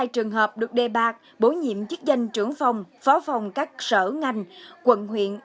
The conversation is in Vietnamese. ba trăm bảy mươi hai trường hợp được đề bạc bổ nhiệm chức danh trưởng phòng phó phòng các sở ngành quận huyện